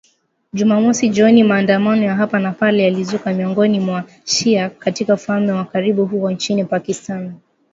Jumamosi jioni maandamano ya hapa na pale yalizuka miongoni mwa wa-shia katika ufalme wa karibu huko nchini Pakistani